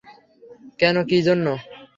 কেন, কী জন্যে।